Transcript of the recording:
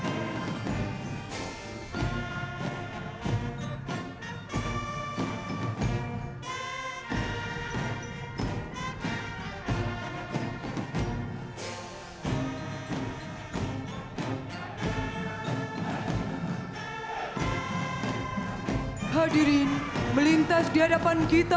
lieutenant colonel irga hayu kostrat